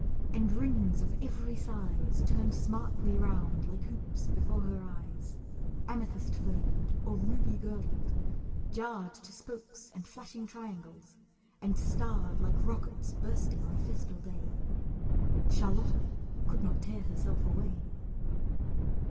And rings of every size Turned smartly round like hoops before her eyes, Amethyst flamed or ruby girdled, jarred To spokes and flashing triangles, and starred Like rockets bursting on a festal day. Charlotta could not tear herself away.